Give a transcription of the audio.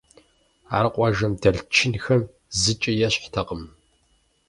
Ар къуажэм дэлъ чынхэм зыкӀи ещхьтэкъым.